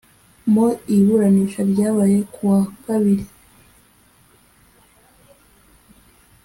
Mu iburanisha ryabaye ku wa Kabiri